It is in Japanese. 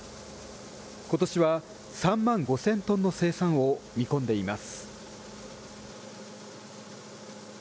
ことしは３万５０００トンの生産を見込んでいます。